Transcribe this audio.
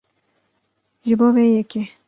Ji bo vê yekê